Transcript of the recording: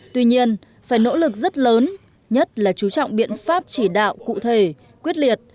tuy nhiên phải nỗ lực rất lớn nhất là chú trọng biện pháp chỉ đạo cụ thể quyết liệt